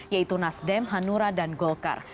yaitu nasdem hanura dan golkar